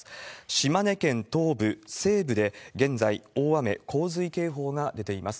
島根県東部、西部で、現在、大雨洪水警報が出ています。